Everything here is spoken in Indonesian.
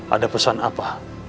ada pesan apa